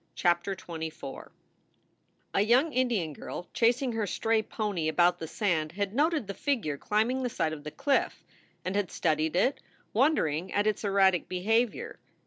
CHAPTER XXIV A YOUNG Indian girl chasing her stray pony about the sand had noted the figure climbing the side of the cliff, and had studied it, wondering at its erratic behavior.